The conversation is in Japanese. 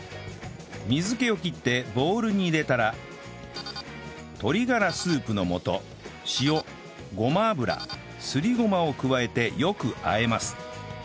水気を切ってボウルに入れたら鶏がらスープの素塩ごま油すりごまを加えてよく和えます